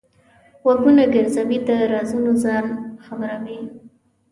غوږونه ګرځوي؛ د رازونو ځان خبروي.